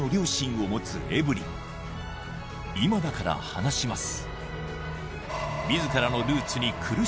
今だから話します